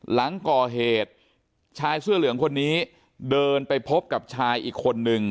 หลังก่อเหตุชายเสื้อเหลืองคนนี้เดินไปพบกับชายอีกคนนึง